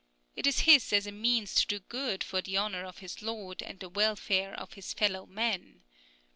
It is his as a means to do good for the honor of his Lord, and the welfare of his fellow men.